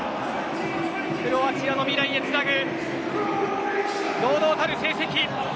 クロアチアの未来へつなぐ堂々たる成績！